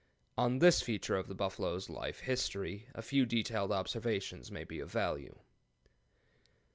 On this feature of the buffalo's life history a few detailed observations may be of value.